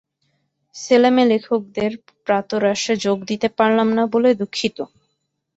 সেলেমে লেখকদের প্রাতরাশে যোগ দিতে পারলাম না বলে দুঃখিত।